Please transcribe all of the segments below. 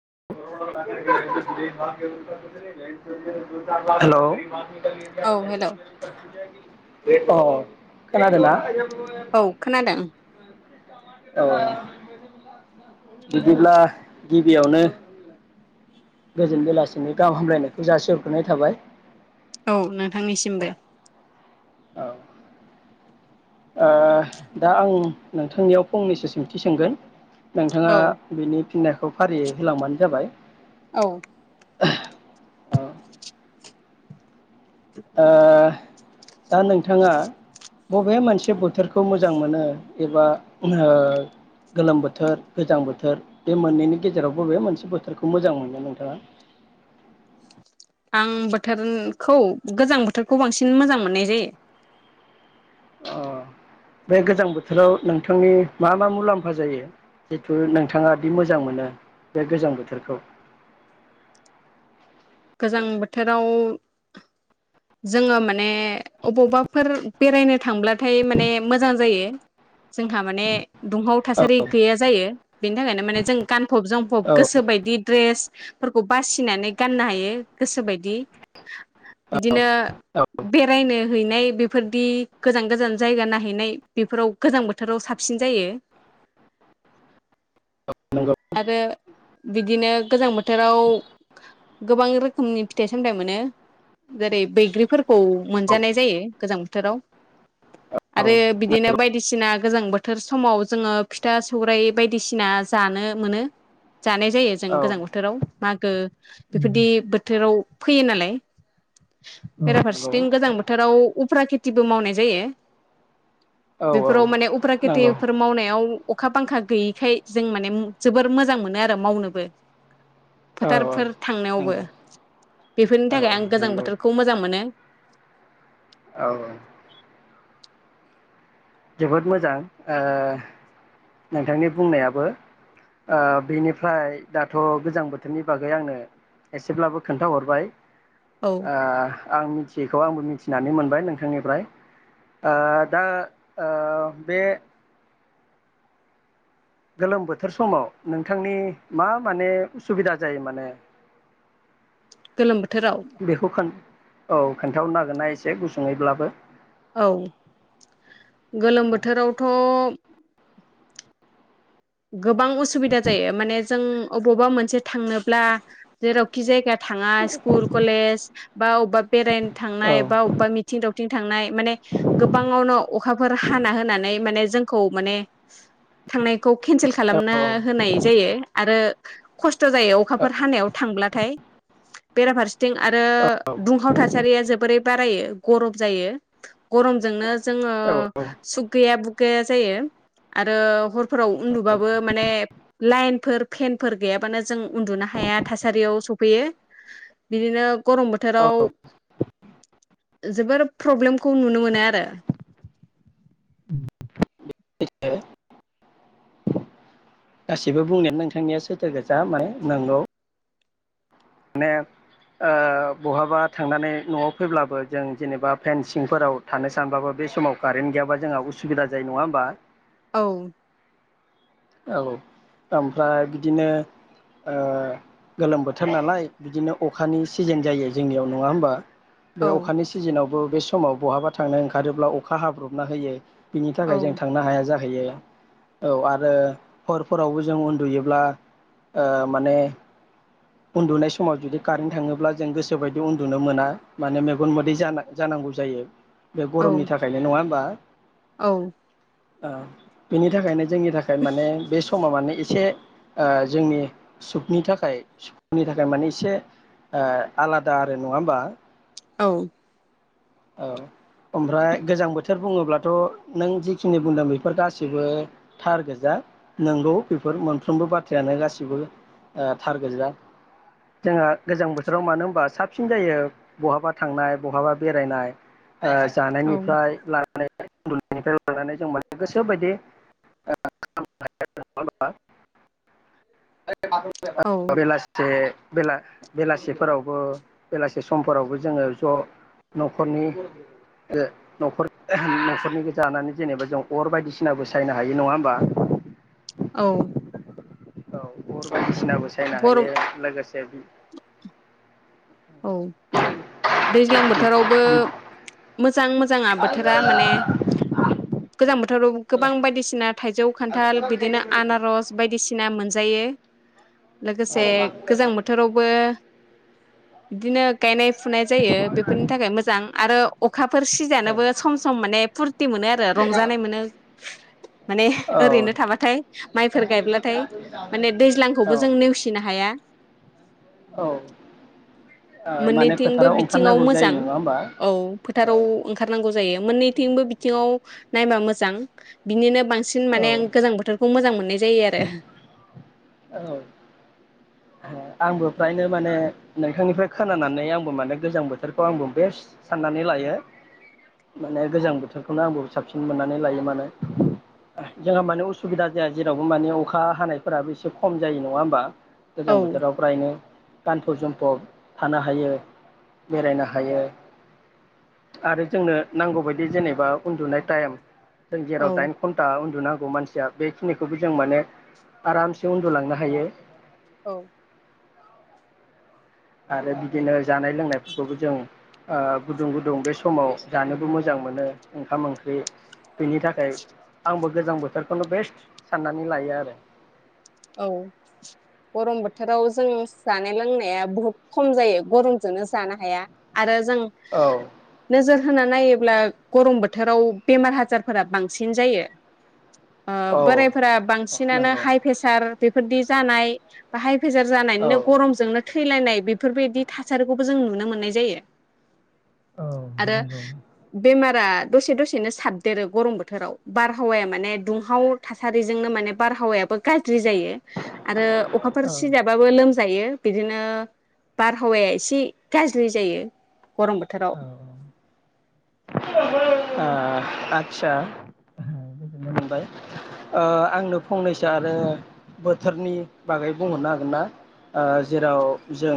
[unintelligible] हेल' औ हेल' अ खोनादोंना? औ खोनादों। औ बिदिब्ला गिबियावनो गोजोन बेलासिनो गाहाम हामलायनायखौ जासिहरग्रोनाय थाबाय। औ नोंथांनिसिमबो। औ। ओ दा आं नोंथांनियाव फंनैसो सोंथि सोंगोन। नोंथाङा औ बिनि फिननायखौ फारियै होलांबानो जाबाय। औ। ओ ओ दा नोंथाङा बबे मोनसे बोथोरखौ मोजां मोनो एबा ओ गोलोम बोथोर गोजां बोथोर बे मोननैनि गेजेराव बबे मोनसे बोथोरखौ मोजां मोनो नोंथाङा? आं बोथोरखौ गोजां बोथोरखौ बांसिन मोजां मोननाय जायो। अ बे गोजां बोथोराव नोंथांनि मा मा मुलाम्फा जायो जिथु नोंथाङादि मोजां मोनो बे गोजां बोथोरखौ? गोजां बोथोराव जोङो माने अबावबाफोर बेरायनो थांब्लाथाय माने मोजां जायो जोंहा माने दुंहाव औ थासारि गैया जायो। बेनि थाखायनो माने जों गान फब जोमफब औ गोसोबायदि ड्रेस फोरखौ बासिनानै गाननो हायो। यो गोसो बायदि बिदिनो औ बेरायनो हैनाय बेफोरदि गोजान गोजान जायगा नायहैनाय बेफोराव गोजां बोथोराव साबसिन जायो नंगौ आरो बिदिनो गोजां बोथोराव गोबां रोखोमनि फिथाइ सामथाइ मोनो जेरै बैग्रिफोरखौ औ मोनजानाय जायो गोजां बोथोराव आरो बिदिनो बायदिसिना गोजां बोथोर समाव जोङो फिथा सौराइ बायदिसिना जानो मोनो। जानाय जायो जों औ गोजां बोथोराव। मागो बेफोरदि बोथोराव फैयो नालाय नंगौ बेराफारसेथिं गोजां बोथोराव उफ्रा खेथिबो मावनाय जायो औ औ बेफोराव माने उफ्रा नंगौ खेथिफोर मावनायाव अखा बांखा गैयैखाय जों माने जोबोर मोजां मोनो आरो मावनोबो औ फोथारफोर थांनायावबो नंगौ बेफोरनि औ थाखाय औ आं गोजां नंगौ बोथोरखौ मोजां मोनो। औ औ जोबोद मोजां ओ नोंथांनि बुंनायाबो ओ बेनिफ्राय दाथ' गोजां बोथोरनि बागै आंनो एसेब्लाबो खोन्थाहरबाय। औ ओ आं मिथि बेखौ आंबो मिथिनानै मोनबाय नोंथांनिफ्राय ओ दा ओ बे गोलोम बोथोर समाव नोंथांनि मा माने उसुबिदा जायो माने? गोलोम बोथोराव बेखौ खोन औ खोन्थाहरनो नागोन ना एसे गुसुङैब्लाबो? औ गोलोम बोथोरावथ' गोबां असुबिदा जायो माने जों अबावबा मोनसे थांनोब्ला जेरावखि जायगा थाङा स्कुल कलेज बा अबेबा बेरायनो औ थांनाय बा अबेबा मिथिं दाउ थिं थांनाय माने गोबाङावनो अखाफोर हाना होनानै माने जोंखौ माने थांनाय खौ केनसेल औ खालामना औ होनाय जायो आरो खस थ जायो अखाफोर हानायाव थांब्ला। थाइ बेराफारसेथिं आरो दुंहाव थासारिया जोबोरै बारायो गरम जायो गरम जोंनो जोङो औ सुख गैया बुख गो जायो आरो हर फोराव उन्दुबाबो माने लाइनफोर फेनफोर गैयाबानो जों उन्दुनो हाया थासारियाव सफैयो बिदिनो गरम बोथोराव दे जोबोर प्रब्लेमखौ नुनो मोनो आरो गासिबो बुंनाया नोंथांनिया सैथो गोजा माने नंगौ। माने ओ बहाबा थांनानै न'आव फैब्लाबो जों जेनेबा फेनसिंफोराव थानो सानबाबो बे समाव कारेन्ट गैयाबा जोंहा उसुबिदा जायो नङा ओमबा? औ औ ओमफ्राय बिदिनो ओ गोलोम बोथोर नालाय बिदिनो अखानि सिजेन जायो जोंनियाव नङा होमबा? बे औ अखानि सिजोनावबो बे स समाव बहाबा थांनो ओंखारोब्ला अखा हाब्रबना होयो । बिनि औ थाखाय जों थांनो हाया जा होयो औ आरो हरफोरावबो जों उन्दुयोब्ला ओ माने उन्दुनाय समाव जुदि कारेन्ट थाङोब्ला जों गोसोबायदि उन्दुनो मोना माने मेगन मोदै जाना जानांगौ जायो। बे औ गरमनि थाखायनो नङा होमबा? औ ओ बेनि थाखायनो जोंनि थाखाय ने बे स समा माने इसे ओ जोंनि सुखनि थाखाय सुखनि थाखाय माने इसे ओ आलादा आरो नङा ओमबा? औ औ ओमफ्राय गोजां बोथोर बुङोब्लाथ' नों जिखिनि बुंदों बेफोर गासिबो थार गोजा। नंगौ बेफोर मोनफ्रोमबो बाथ्रायानो गासिबो ओ थारगोजा जोंहा गोजां बोथोराव मानो होमबा साबसिन जायो बहाबा थांनाय बहाबा बेरायनाय ओ औ जानायनिफ्राय लानानै निफ्राय लानानै जों माने गोसोबायदि ओ [unintelligible] औ [unintelligible] बेलासे बेला बेलासिफोरावबो बेलासि समफोरावबो जोङो ज' न'खरनि नखर न'खरनि जानानै जेनेबा जों अर बायदिसिनाबो सायनो हायो नङा ओमबा? औ औ। दिसिनाबो सायनो गरम हायो लोगोसे औ दैज्लां बोथोरावबो मोजां मोज जांआ बोथोरा माने गोजां बोथोराव गोबां बायसिना थाय खान्थाल बिदिनो आनारस बायदिसिना मोनजायो। लोगोसे गोजां बोथोरावबो बिदिनो गायनाय फुनाय जायो बेफोरनि थाखाय मोजां आरो अक खाफोर सिजानोबो सम सम माने फुरथि मोनो आरो रंजानाय मोनो। माने औ ओरैनो थाबाथाय माइफोर गायब्लाथाय माने औ दैज्लांखौबो जों नेवसिनो हाया औ। माने मोननैथिंबो फोथाराव बिथिङाव ओंखारनांगौ मोजां जायो नङा होमबा औ फोथाराव औ ओंखारनांगौ। जायो मोननैथिंबो बिथिंआव नायबाय मोजां बेबिनो बांसिन औ माने गोजां बोथोरखौ मोजां मोननाय जायो आरो औ आंबो फ्रायनो माने नोंथांनिफ्राय खोनानानै आंबो माने गोजां बोथोरखौ आंबो बेस्ट साननानै लायो माने गोजां बोथोरखौनो आंबो साबसिन मोननानै लायो माने जोंहा माने उसुबिदा जाया जेरावबो माने अखा हानायफोराबो एसे खम जायो नङा होमबा औ प्रायनो गानफब जोमफब थानो हायो बेरायनो हायो आरो जोंनो नांगौबायायदि जेनेबा उन्दुनाय टाइम जों जेराव दाइन घन्टा उन्दुनां- गौ मानसिया बेखिनिखौबो जों माने आरामसे उन्दुलांनो हायो औ आरो बिदिनो जानाय लोंनायफोरखौबो जों ओ गुदुं गुदुं बे समाव जानोबो मोजां मोनो ओंखाम ओंख्रि बेनि थाखाय आंबो गोजां बोथोरखौनो बेस्ट साननानै लायो आरो औ गरम बोथोराव जों जानाय लोंनाया बुहुद खम जायो गरमजोंनो जानो हाया आरो जों औ नोजोर होना नायोब्ला गरम बोथोराव बेमार आजारफोरा बांसिन जायो ओ औ बोरायफोरा बांसिनानो नंगौ हाइ बेफोरदि जानाय बाहाय फेजार औ जानानैनो गरमजोंनो थैलायनाय बेफोरबायदि थासारिखौबो जों नुनो मोननाय जायो औ आरो नंगौ बेमार फोरा दसे दसेनो साबदेरो गरम बोथोराव बारहावाया माने दुंहाव थासारिजोंनो माने बारहावायाबो जि जायो आरो अखाफोर औ सिजाबो लोम- जायो बिदिनो बारहावाया एसे गाज्रि जायो गरम बोथोराव औ। ओ आ आदसा गोजोननाय मोनबाय ओ आंनो फंनैसो आरो बोथोरनि बागै बुंहरनो हागोन ना ओ जेराव जों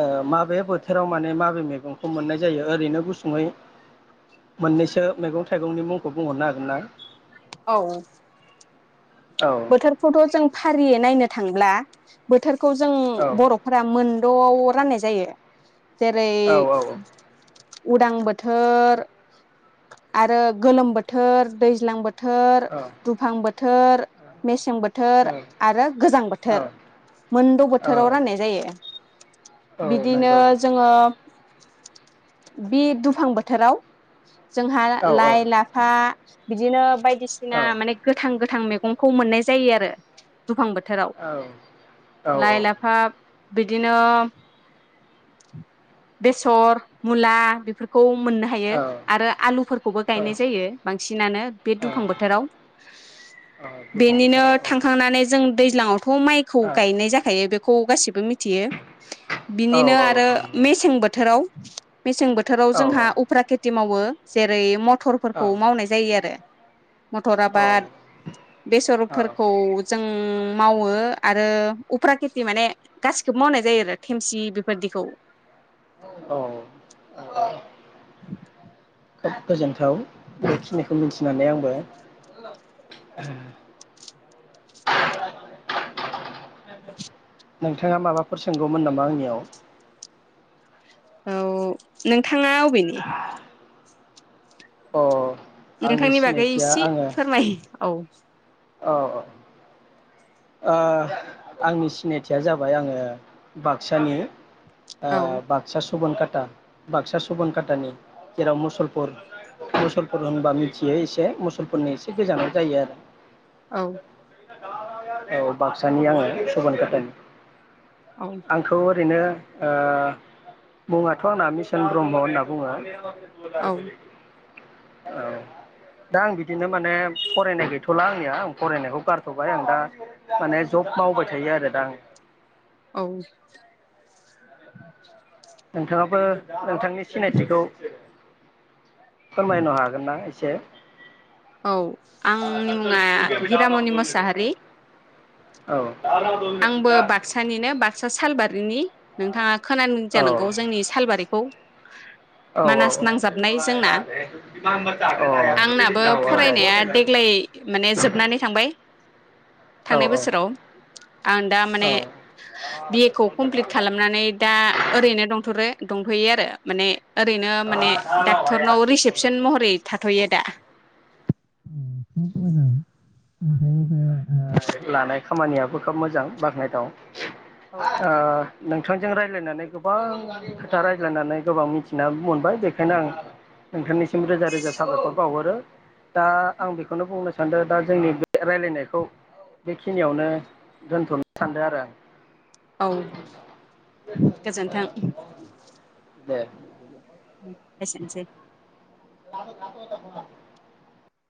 ओ माबे बोथोराव माने मा मेगंखौ मोननाय जायो ओरैनो गुसुङै मोननैसो मैगं थाइगंनि मुंखौ बुंहरनो हागोन ना? औ औ। औ बोथोरखौथ जों फारियै नायनो थांब्ला बोथोर खौ जों औ बरफोरा मोन दं आव राननाय जायो। जेरै औ उदां बोथोर। आरो गोलोम बोथोर दैज्लां बोथ- थोर दुफां बोथोर मेसें औ बोथोर आरो गोजां औ बोथोर मोनद औ बोथोराव राननाय जायो। औ बिदिनो नंगौ जोङो बि दुफां बोथोराव। जोंहा औ लाइ औ लाफा। बिदिनो बाय औ बायदिसिना माने गोथां गो थां मैगंखौ मोननाय जायो आरो। दुफां बोथोराव औ लाइ लाफा बिदिनो बेसर मुला बेफोरखौ मोननो हायो। आरो आलुफोरखौबो गायनाय जायो, बांसिनानो बे औ दुफां बोथोराव। दुफां बेनिनो बोथोराव औ थांखांनानै जों दैज्लांआवथ माइखौ गायनाय जाखायो बेखौ गासिबो मि थियो औ बिनिनो औ आरो नंगौ मेसें बोथोराव [inaudible] मेसें बोथोराव औ जोंहा उफ्राखेब मावो जेरै म औ टरफोरखौ मावनाय जायो आरो। मथर आबाद बेसरफोरखौ जों मावो आरो उफ्रा खेथि माने गासिखौबो मावनाय जायो आरो थेमसि बेफोरदिखौ। औ औ। खोब गोजोनथाव बेखिनिखौ मिथिनानै आंबो। नोंथाङा माबाफोर सोंगौमोन नामा आंनियाव? औ नोंथाङा अबेनि? अ। आंनि नोंथांनि बागै सिनायथिया एसे आङो फोरमायो। औ औ औ। ओ आंनि सिनायथिया जाबाय आङो बाक्सानि। ओ औ बाक्सा सुबन काटा बाक्सा सुबन काटानि जेराव मुसलपुर मुसलपुर होनबा मिथियो एसे मुसलपुरनि एसे गोजानाव जायो आरो औ [inaudible] औ बाक्सानि आङो सुबनकाटानि औ आंथ ओरैनो ओ मुङाथ' आंना मिसन ब्रह्म होनना बुङो। [inaudible] औ औ दा आं बिदिनो माने फरायनाय गैथला आंनिया आं फरायनायखौ गारथबाय आं दा माने जब मावबाय थायो आरो दा आं औ नोंथाङाबो नोंथांनि सिनायथिखौ फोरमायनो हागोन ना एसे? औ आंनि मुङा हिरामनि मुसाहारि औ औ औ आंबो बाक्सानिनो बाक्सा सालबारिनि नोंथाङा खोनानों जानांगौ जोंनि सालबारिखौ मानास नांजाबनाय जोंना आंनाबो फरायनाया देग्लाय माने जोबनानै थांबाय औ थांनाय बोसोराव। आं दा माने बिए खौ कमप्लिट खालामनानै दा ओरैनो दं रो दंथ'यो आरो माने ओरैनो माने डाक्टरनाव रिसेपसन महरै थाथ'यो दा [unintelligible] लानाय खामानियाबो खोब मोजां बाख्नायथाव औ अ नों थांजों रायज्लायनानै गो बां खोथा रायज्लायनानै गोबां मिथिनाबो मोनबाय बेखायनो आं नोंथांनिसिम रोजा रोजा साबायखर बावहरो। दा आं बेखौनो बुंनो सान्दों दा जोंनि बे रायलायनायखौ बेखिनियावनो दोनथ'नो सान्दों आरो आं। औ गोजोन्थों। दे एसेनोसै। [unintelligible]